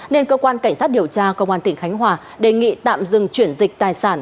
nên cơ quan cảnh sát điều tra công an tỉnh khánh hòa đề nghị tạm dừng chuyển dịch tài sản